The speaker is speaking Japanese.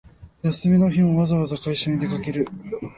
休みの日もわざわざ会社に出かける